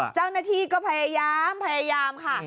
เจ้าหน้าที่ก็พยายามพยายามค่ะ